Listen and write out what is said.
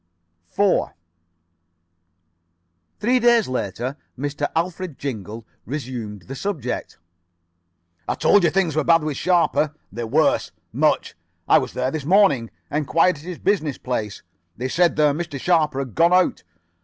4 Three days later Mr. Alfred Jingle resumed the subject. "I told you things were bad with Sharper. They're worse. Much. I was there this morning. Enquired at his business place. They said their Mr. Sharper had gone out.